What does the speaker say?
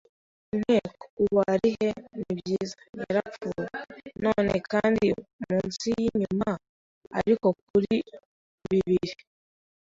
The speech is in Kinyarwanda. Inteko. Ubu ari he? Nibyiza, yarapfuye none kandi munsi yinyuma; ariko kuri bibiri